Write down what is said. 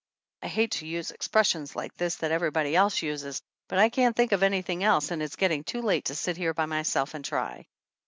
(I hate to use expressions like this, that everybody else uses, but I can't think of anything else and it's getting too late to sit here by myself and try.